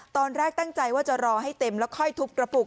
ตอนแรกตั้งใจว่าจะรอให้เต็มแล้วค่อยทุบกระปุก